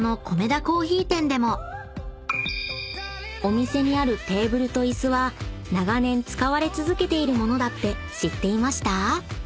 ［お店にあるテーブルとイスは長年使われ続けている物だって知っていました？］